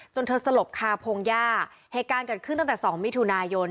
เธอสลบคาพงหญ้าเหตุการณ์เกิดขึ้นตั้งแต่สองมิถุนายน